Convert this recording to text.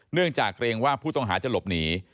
เนื่องจากเกรงว่าผู้ต้องหาจะหลบหนี